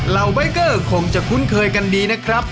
ใบเกอร์คงจะคุ้นเคยกันดีนะครับ